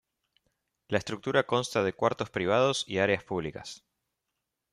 La estructura consta de cuartos privados y áreas públicas.